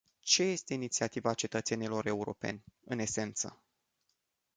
Ce este inițiativa cetățenilor europeni, în esență?